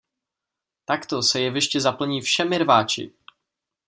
Takto se jeviště zaplní všemi rváči.